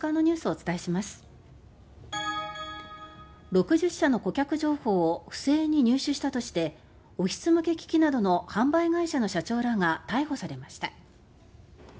６０社の顧客情報を不正に入手したとしてオフィス向け機器などの販売会社の社長らが逮捕されました。